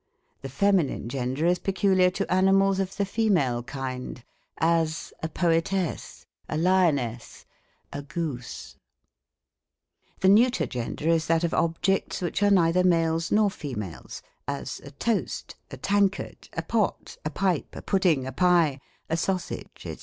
The feminine gender is peculiar to animals of the fe male kind : as, a poetess, a lioness, a goose. 30 THE COMIC ENGLISH GRAMMAR. The neuter gender is that of objects which are neither male^ nor females : as, a toast, a tankard, a pot, a pipe, a pudding, a pie, a sausage, &c.